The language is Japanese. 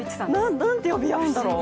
何て呼び合うんだろう。